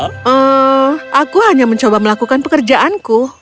hmm aku hanya mencoba melakukan pekerjaanku